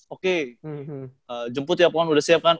oke jemput ya pohon udah siap kan